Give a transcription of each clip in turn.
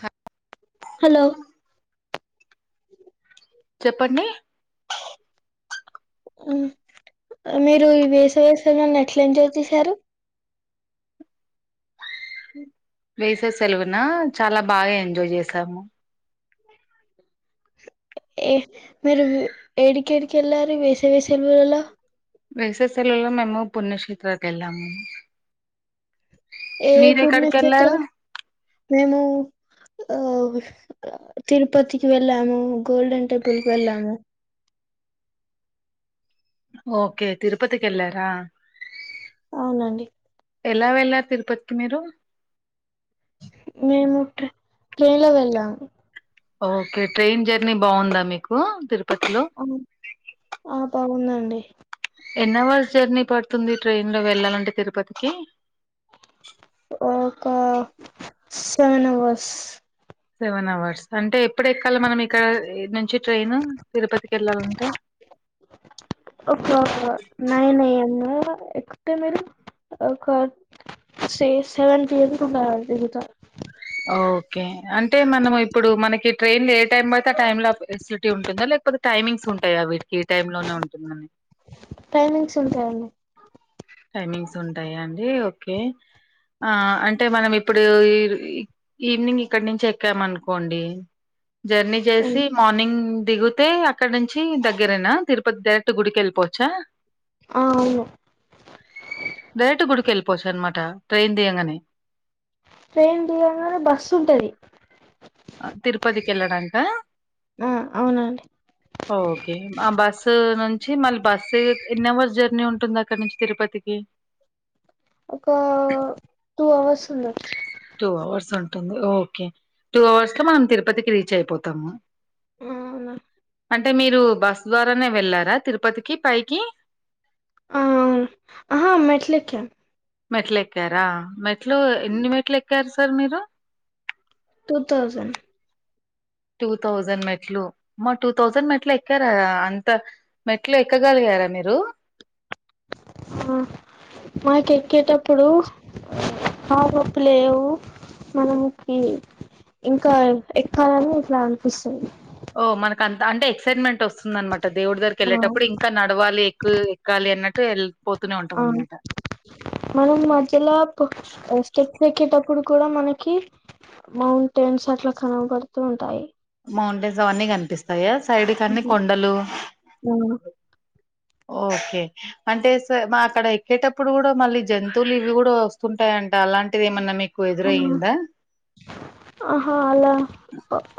హా హలో [unintelligible] చెప్పండి మీరు ఈ వేసవి సెలవాలని ఎట్లా ఎంజాయ్ చేసారు. వేసవి సెలవున చాలా బాగా ఎంజాయ్ చేసాము ఏ మీరు ఏడికేడికి వెళ్ళారు వేసవి సెలువలలో వేసవి సెలవులలో మేము పుణ్యక్షేత్రకు వెళ్ళాము ఏ మీరు ఎక్కడికి పుణ్యక్షేత్ర వెళ్ళారు మేము ఆ తిరుపతికి వెళ్ళాము గోల్డెన్ టెంపుల్ కి వెళ్ళాము ఓకే తిరుపతికి వెళ్ళార అవునండి ఎలా వెళ్లారు తిరుపతికి మీరు మేము ట్రేన్ లో వెళ్ళాము. ఓకే ట్రైన్ జర్నీ బాగుందా, మీకు తిరు ఆ ఆ బాగుందండి ఎన్ అవర్స్ జర్నీ పడుతుంది. ట్రైన్ లో వెళ్ళాలంటే తిరుపతికి ఒక సెవెన్ అవర్స్ సెవెన్ అవర్స్ అంటే ఇప్పుడ ఎక్కాలి మనం ఇక్కడ నుంచి ట్రైన్ తిరుపతికి వెళ్ళాలంటే ప్పు నై నై ఎస్ట మరు క సెవెన్ పఎ బత ఓకే అే అంటే మనం ఇప్పుడు మనకి ట్రైన్లు ఏ టైం అయితే ఆ టైమ్ లో ఎస్లిటీ ఉంటుందో లేకపోతే టైమింగ్స్ ఉంటాయి వీటికి ఈ టై లోనే ఉంటుందని టైమింగ్స్ ఉంటాయండి టైమింగ్స్ ఉంటాయా అండి ఓకే ఆ అంటే మనం ఇప్పుడు ఈవినింగ్ ఇక్కడి నుంచి ఎక్కామ అనుకోండి జర్నీ చేసి మార్నింగ్ దిగితే అక్కడ నుంచి దగ్గరనా తిరుపతి డైరెక్ట్ గుడికి వెళ్ళిపోవచ్చా ఆ అవును డయట గుడికిె వెళ్ళిపోచ్చా అనమాట ట్రైన్ దియగానే ట్రైన్ తీయగానే బస్సు ఉంటుంది తిరుపతికి వెళ్ళడాక ఆ అవునండి ఓకే ఆ బస్ నుంచి మళ్ళీ బస్సు ఎన్ని అవర్స్ జర్నీ ఉంటుంది అక్కడ నుంచి తిరుపతికి ఒక టూ అవర్స్ ఉంది టూ అవర్స్ ఉంటుంది ఓకే టూ అవర్స్ లో మనం తిరుపతికి రీచ్ అయిపోతాము అవునా అంటే మీరు బస్ ద్వారానే వెళ్ళారా తిరుపతికి పైకి ఆ అవును అహ మెట్లేక్కి అం మెట్లు ఎక్కారా మెట్లు ఎన్ని మెట్లు ఎక్కారు సార్ మీరు టూ థౌజండ్ టూ థౌజండ్ మెట్లు అమ్మా టూ థౌసండ్ మెట్లు ఎక్కార అంత మెట్లు ఎక్కగలి కా టారా మీరు ఆ మాకు ఎక్కేటప్పుడు హా బప్పులేవు మనము కి ఇంకా ఎక్కాలని ఇట్లా అనిపిస్తుంది ఓ మనకు అంత అంటే ఎక్సైట్మెంట్ వస్తుంద అనట దేవుడి దగ్రికి ఆ వెళ్ళేటప్పుడు ఇంకా నడవాలి ఎక్కువ ఎక్కాలి అన్నట్టు వెళ్ళిపోతూనే ఉంటాం అ అనమాట మన మాజలప్ స్టెప్ ఎక్కేటప్పుడు కూడా మనకి మౌంటైన్స్ అట్లా కనబడుతూ ఉంటాయి మౌంటెన్స్ అవన్నీ కనిపిస్తాయాస్ సైడ్ కన్ని కొండలు ఆ ఓకే అంటే సే మా అక్కడ ఎక్కేటప్పుడు కూడా మళ్ళీ జంతువులు ఇవి కూడా వస్తుంటాయంట అలాంటిది ఏమన్నా మీ ఆహా అలా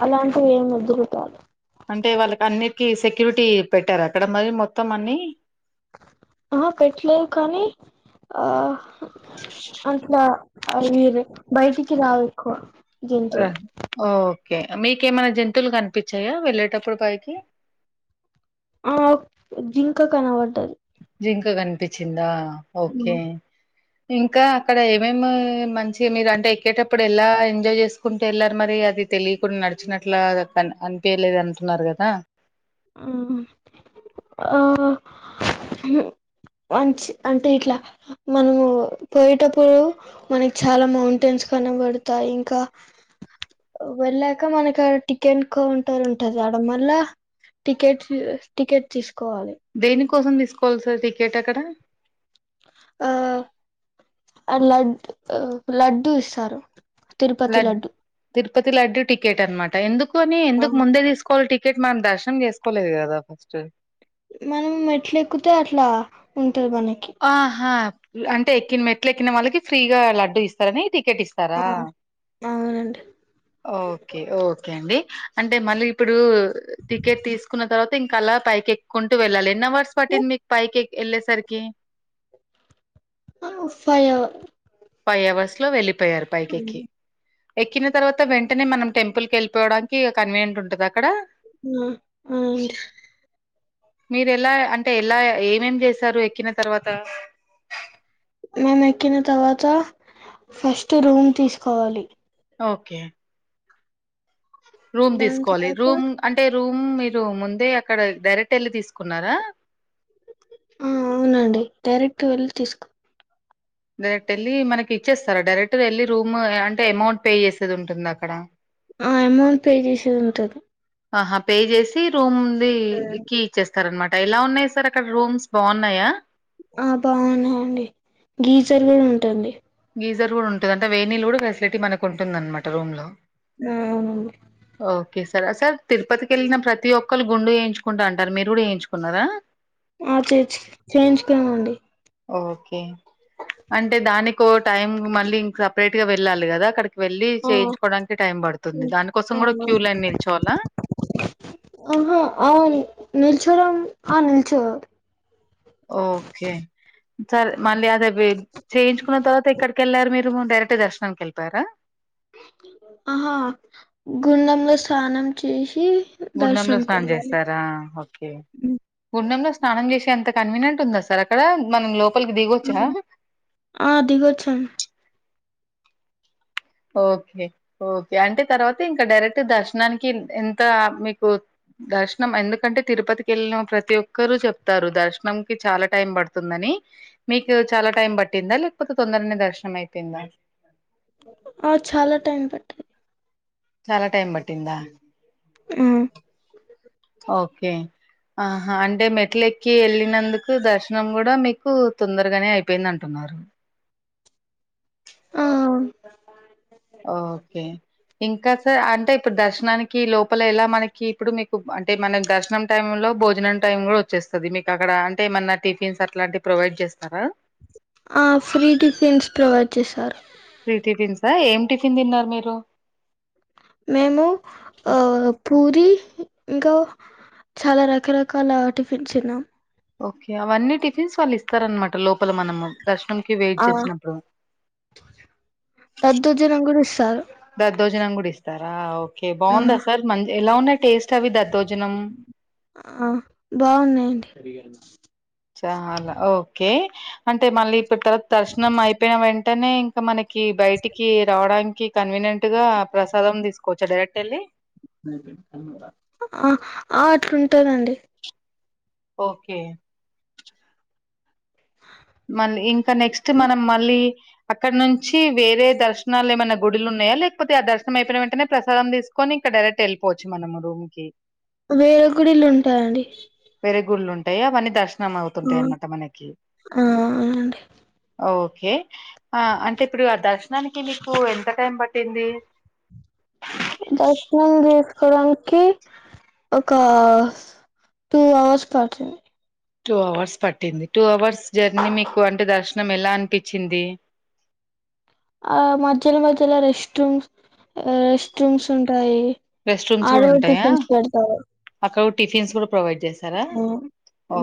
అలా ఏం వద్దు కదా అంటే వాళ్ళకి అన్నికి సెక్యూరిటీ పెట్టారు అక్కడ మరి మొత్తం అన్ని ఆ పెట్టలేదు కానీ ఆ అట్లా అవీరే బయటికి రావకు అ ఓ ఓకే మీకేమైనా జంతువులు కనిపిచ్చాయా వెళ్ళేటప్పుడు పైకి ఆ జింక కనపడ్డది జింకా కనిపిచిందా ఓకే ఇంకా అక్కడ ఏమేమి నేను మంచి మీరు అంటే ఎక్కేటప్పుడు ఎలా ఎంజాయ్ చేసుకుంటే వెళ్ళారు మరి అది తెలియకుండా నడిచినట్ల అన్ అన్కెలేదంటున్నారు కదా ఆ ఆ హు వన్స్ అంటే ఇట్లా మనము పోయేటప్పుడు మనకి చాలా మౌంటైన్స్ కనబడతా ఇంకా వెళ్ళాక మనకి ఆ టికెన్ కౌంటర్ ఉంటది ఆడ మల్ల టికెట్స్ టికెట్ తీసుకోవాలి కోసం తీసుకోవాలి సార్ టికెట్ అక్కడ? ఆ అ లడ్ ఆ లడ్డు ఇస్తారు. తిరుపతి లడ్ లడ్డు తిరుపతి లడ్డు టికెట్ అనమాట ఎందుకు అని ఆ ఎందుకు ముందే తీసుకోవాలి టికె కెట్ మనం దర్శనం చేసుకోలేదు కదా ఫస్ట్ మనం మెట్లేక్కుతే అట్లా ఉంటది మనకి ఆహా అంటే ఎక్కిన్ మెట్లు ఎక్కిన వాళ్ళకి ఫ్రీగా లడ్డు ఇస్తారని ఇది ఆ టికేటిస్తారా అవునండి ఓకే ఓకే అండి అంటే మళ్ళీ ఇప్పుడు టికెట్ తీసుకున్న తర్వాత ఇంకాలా పైకెక్కుక్కుంటూ వెళ్ళాలి ఎన్న వర్స్ పటిది మీక్ పాైకిక్ ఎళ్ళలే సార్కి అ ఫయా ఫైవ్ అవర్స్ లో వెళ్ళలిపోయారు పైకి ఎక్కి ఎక్కిన తర్వాత వెంట అంటనే మనం టెంపుల్ క వెళ్ళిపోవడానికి కవీనియంట్ ఉంటుది అక్కడ ఆ అవు మీరు ఎలా అంటే ఎలా ఏమేం చేశారు ఎక్కిన తర్వాత మేం ఎక్కిన తర్వాత ఫస్ట్ రూమ్ తీసుకోవాలి ఓకే రూమ్ దాని తీసుకోవాలి తర్వాత రూమ్ అంటే రూమ్ మీరు ముందే అక్కడ డైరెక్ట్ వెళ్ళి తీసుకున్నారా ఆ అవునండి డైరెక్ట్ వెళ్లిి తీసుకు డైరెక్ట్ వెళ్ళి మనకి ఇచ్చేస్తారా డైరెక్ట్ వెళ్ళి రూమ్ అంటే అమౌంట్ పే చేసేది ఉంటుంది అక్కడ ఆ అమౌంట్ పే చేసేది ఉంటది ఆహా పే చేసి రూమ్ంది క ఇచ్చేస్తా అనమాట ఎలా ఉన్నాయి సార్ అక్కడ రూమ్స్ బాగున్నాయా ఆ బాగున్నాయండి గీజర్ కూడా ఉంటుంది గీజర్ కూడా ఉంటుంది అంటే వేణీలు కూడా ఫెసిలిటీ మనకు ఉంటుంద అనమాట రూమ్ లో ఆ అవున ఓకే సార్ సార్ తిరుపతికి వెళ్ళిన ప్రతి ఒక్కళ్రు గుండు వయించుకుంటా అంటారు మీరు కూడా వయించుకున్నారా ఆ చేయించ చేయించుకుమండి ఓకే అంటే దానికో టైం మళ్ళీ ఇం సపరేట్ గా వెళ్ళాలి కదా అక్కడకి వెళ్ళలి ఆ చేయించుకోడానికి టైం పడుతుంది దాని కోసం కూడా క్యూ లైన్ నిల్చోవాలా ఆహా ఆ నిల్చోరా ఆ నిల్చ ఓకే సరే మళ్ళీ అద చేయించుకున్న తర్వాత ఇక్కడికి వెళ్ళారు మీరు డైరెక్ట్ దర్శనానికి వెళ్ళపోారా ఆహా గుండంలో స్నానం చేసి గుండెంలో దర్శనంకి స్నానం వెళ్ళాలి చేస్తారా ఓకే గుండెంలో స్నానం చేసే ఎంత కన్వీనియంట్ ఉందా సార్ అక్కడ మనం లో ల్కి దగోచ్చ ఆ దిగొచ్చాం ఓకే ఓకే అంటే తర్వాత ఇంకా డైరెక్ట్ దర్శనానికి ఎంత మీకు దర్శనం ఎందుకంటే తిరుపతికి వెళ్ళిన ప్రతి ఒక్కరుూ చెప్తారు దర్శనం క చాలా టైం పడుతుందని మీకు చాలా టైం పట్టిందా లేకపోతే తొందరని దర్శనం అయిపోయిందా ఆ చాలా టైం పట్టంది చాలా టైం పట్టిందా ఓకే ఆహా అంటే మెట్ల ఎక్కి వెళ్ళినందుకు దర్శనం కూడా మీకు తొందరగానే అయిపోయింది అంటున్నారు [inaudible] [inaudible] ఓకే ఇంకా సార్ అంటే ఇప్పుడు దర్శనానికి లోపల ఎలా మనకి ఇప్పుడు మీకు అంటే మన దర్శనం టైమ్ లో భోజనం టైం కూడా వచ్చే మీకు అక్కడ అంటే ఏమన్నా టిఫిన్స్ అట్లాంటి ప్రొవైడ్ చేస్తారా ఆ ఫ్రీ టిఫిన్స్ ప్రొవైడ్ చేశారు ఫ్రీ టిఫిన్సా ఏం టిఫిన్ తిన్నారు మీరు మేము ఆ పూరి ఇంకా చాలా రకరకాల టిఫిన్స్న్నాం ఓకే అవన్నీ టిఫిన్స్ వాళ్ళు ఇస్తారనమాట లోపల మనము దర్శనంకి వెయిట్ ఆ చేసినప్పుడు దద్దోజనం కూడా ఇస్తా దద్దోజనం కూడా ఇస్తారా ఓకే ఆ బాగుందా సార్ మంచి ఎలా ఉన్నాయి టేస్ట్ అవి దద్ద ఆ బాగున్నాయండి చాలా ఓకే అంటే మళ్ళీ ఇప్పుడు తర్వాత దర్శనం అయిపోయిన వెంట వెంటనే ఇంకా మనకి బయటికి రావడానికి కన్వీనియంట్ గా ప్రసాదం తీసుకోవచ్చా డైరెక్ట్ వెళ్ళి ఆ అట్లుంటందండి ఓకే మ ఇంకా నెక్స్ట్ మనం మళ్ళీ అక్కడ నుంచి వేరే దర్శనాలు ఏమైనా గుడిలు ఉన్నాయా లేకపోతే ఆ దర్శం అయిపోయిన వెంటనే ప్రసదం తీసుకని ఇకా డైరెక్ట్ వెళ్ళిపోవచ్చ మనముూమ్కి వేరే గుడిలు ఉంటాయండి వేరే గుళ్ళలు ఉంటాయ అవన్నీ దర్శనం ఆ అవుతుంటాయి అన్నమాట మనకి ఆ అవునండి ఓకే అంటే ఇప్పుడు ఆ దర్శనానికి మీకు ఎంత టైం పట్టింది దర్శనం కి కి ఒక టూ అవర్స్ పడుతుంది టూ అవర్స్ పట్టింది టూ అవర్స్ జర్నీ మీకు అంటే దర్శనం ఎలా అనిపించింది ఆ మధ్యలో మధ్యలో రెస్ట్ రూమ్స్ రెస్ట్ రూమ్స్ ఉంటాయి రెస్ట్ రూమ్స్ ఆడ కూడా ఉంటాయా టిఫిన్స్ పెడతారు అక్కడ టిఫిన్స్ కూడా ప్రొవైడ్ చేశారా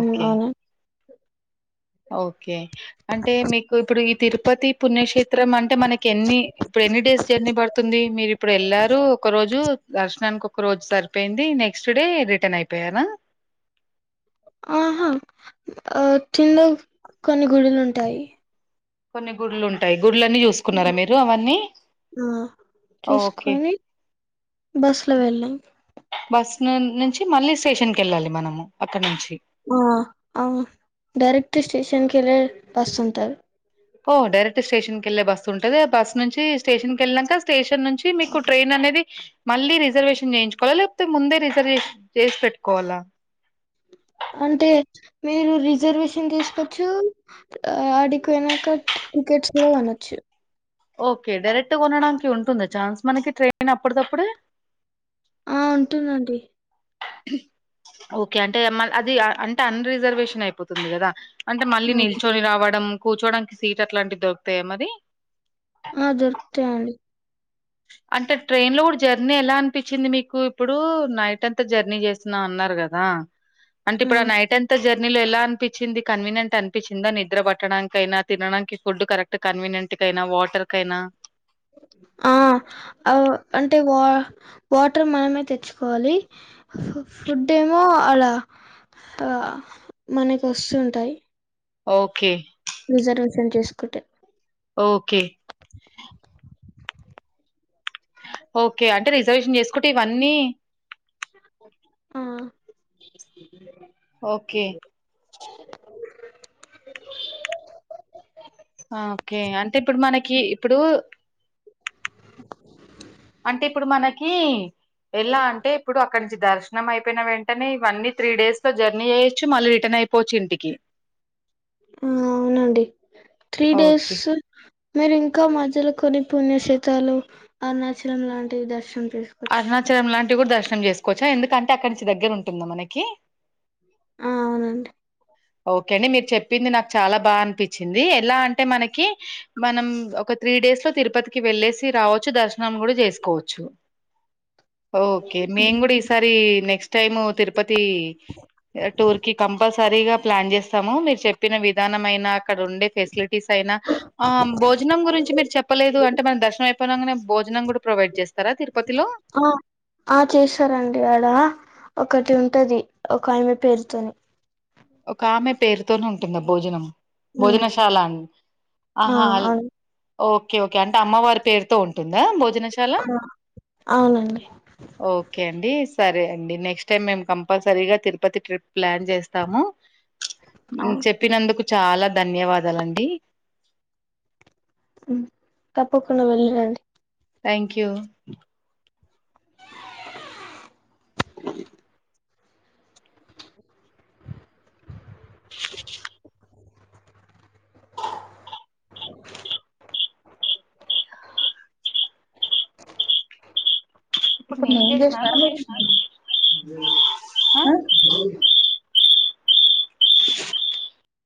ఓకే ఓకే అవునా ఓకే అంటే మీకు ఇప్పుడు ఈ తిరుపతి పుణ్యక్షేత్రం అంటే మనకి ఎన్ని ఇప్పుడు ఎన్ని డేస్ జ ర్నీ పడుతుంది మీరు ఇప్పుడు వెళ్ళారు ఒక రోజు దర్శనానికి ఒక రోజు సరిపోయింది నెక్స్ట్ డే రిటర్న్ అయిపోయారా ఆహా ఆ తిందలో కొన్ని గుడులు ఉంటాయి కొన్ని గుళ్లు ఉంటాయి గుళ్ళు అన్ని చూసుకున్నారా మీరు అవన్నీ ఆ, ఓకే బస్సు లో వెళ్ళాం బస్ ను నుంచి మళ్ళీ స్టేషన్ కి వెళ్ళాలి మనము అక్కడ నుంచి ఆ ఆ డైరెక్ట్ స్టేషన్ కేల బస్సు ఉంటాది ఓ డైరెక్ట్ స్టేషన్ కి వెళ్లే బస్ ఉంటది ఆ బస్ నుంచి స్టేషన్కి వెళ్ళాక స్టేషన్ నుంచి మీకు ట్రైన్ అనేది మళ్ళీ రిజర్వేషన్ చేయించుకోవాలా లేకపోతే ముందే రిజర్వేషన్ చేసి పెట్టుకోవాలా అంటే మీరు రిజర్వేషన్ తీసుకోవచ్చు ఆడికి పోయినాక టికెట్స్ కూడా కొనోచ్చు ఓకే డైరెక్ట్ కొనడానికి ఉంటుంది ఛాన్స్ మనకి ట్రైన్ అప్పుడు సప్పుడే ఆ ఉంటుందండి ఓకే అంటే అది అంటే అన్ రిజర్వేషన్ అయిపోతుంది కదా అంటే మళ్ళీ ఆ, నిల్చొని రావడం కూర్చోడానికి సీట్ అట్లాంటివి దొకుతాయా మరి ఆ దొరుకుతాయండి అంటే ట్రైన్ లో కూడా జర్నీ ఎలా అనిపించింది మీకు ఇప్పుడు నైట్ అంతా జర్నీ చేసిన అన్నారు కదా అంటే ఇప్పుడు ఆ నైట్ అంత జరి ర్నీలో ఎలా అనిపించింది కన్వీనియంట్ అనిపించిందా నిద్ర పట్టడానికి అయినా తినడానికి ఫుడ్ కరెక్ట్ కన్వీనియంట్ కైనా వాటర్ కైనా ఆ అంటే వా వాటర్ మనమే తెచ్చుకోవాలి ఫుడ్ ఏమో అలా మనకు వస్తుంటాయి ఓకే. రిజర్వేషన్ చేసుకుంటే. ఓకే. ఓకే అంటే రిజర్వేషన్ చేసుకుంటే ఇవన్నీ. ఆహ్. ఓకే. కి ఇప్పుడు. అంటే ఇప్పుడు మనకి ఎలా అంటే ఇప్పుడు అక్కడ. దర్శనం అయిపోయిన వెంటనే ఇవన్నీ త్రీ డేస్ లో జర్నీ చేయొచ్చు మళ్ళీ రిటర్న్ అయిపోవచ్చు ఇంటికి. ఉమ్ అవునండి త్రీ డేస్. ఓకే. మీరు ఇంకా మధ్యలో కొన్ని పుణ్యక్షేతాలు అరుణాచలం లాంటివి దర్శనం. చేసుకోవచ్చు అరుణాచలం లాంటివి కూడా దర్శనం చేసుకోవచ్చా ఎందుకంటే అక్కడి నుంచి దగ్గర ఉంటుందా మనకి. ఆ అవునండి. ఓకే అండి మీరు చెప్పింది నాకు చాలా బాగా అనిపించింది ఎలా అంటే మనకి. మనం ఒక త్రీ డేస్ లో. తిరుపతికి వెళ్లేేసి రావచ్చు దర్శనం కూడా చేసుకోవచ్చు. ఓకే మేము కూడా ఈసారి నెక్స్ట్ టైమ్ తిరుపతి. కి ఆహ్ టూర్ కి కంపల్సరీగా ప్లాన్ చేస్తాము మీరు చెప్పిన విధానమైన. అక్కడ ఉండే ఫెసిలిటీస్ అయినా ఆహ్ భోజనం గురించి మీరు చెప్పలేదు అంటే మనం దర్శనం అయిపోయినాంగనే భోజనం. భోజనం కూడా ప్రొవైడ్ చేస్తారా తిరుపతిలో. ఆహ్ చేస్తారండి ఆడ. ఒకటి ఉంటది ఒక ఆమె పేరుతోని. ఒక ఆమె పేరుతోని ఉంటుందా భోజనం. ఉమ్ భోజనశాలని ఆ ఆహా అల్. అవును ఓకే ఓకే అంటే అమ్మవారి పేరుతో ఉంటుందా భోజనం. భోజనశాల అవునండి ఓకే అండి. సరే అండి నెక్స్ట్ టైమ్ మేము కంపల్సరీగా తిరుపతి ట్రిప్ ప్లాన్ చేస్తాము. ఆ చెప్పినందుకు చాలా ధన్యవాదాలండి. ఉమ్ తప్పకుండా వెళ్ళిరండి. Thank you. ఇప్పుడు నేను చేసిన చేసినాన నువ్వు మీరు చేసినావా చేసిండ్రా. ఆహ్.